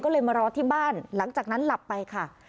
ก็เลยมารอที่บ้านหลังจากนั้นหลับไปค่ะ